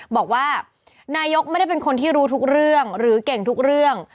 บอกว่านายกไม่ได้เป็นคนที่รู้ทุกเรื่องหรือเก่งทุกเรื่อง